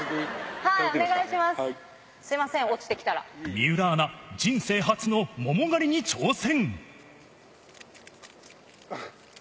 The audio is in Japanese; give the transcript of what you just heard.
水卜アナ、人生初の桃狩りに挑戦。